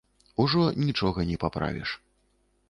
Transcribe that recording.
Ужо нічога не паправіш.